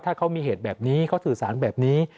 ถ้าเขามีเหตุแบบนี้เขาสื่อสารแบบนี้